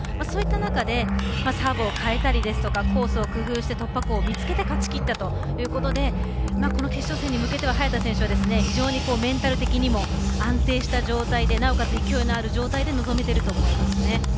そういった中でサーブを変えたりコースを工夫して突破口を見つけて勝ちきったということでこの決勝戦に向けては早田選手はメンタル的にも安定した状態でなおかつ、勢いのある状態で臨めていると思いますね。